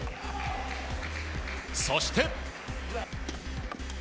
そして。